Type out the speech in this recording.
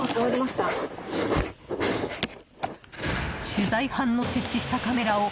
取材班の設置したカメラを。